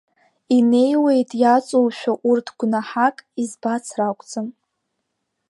Инеиуеит иаҵоушәа урҭ гәнаҳак, избац ракәӡам…